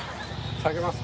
下げますか？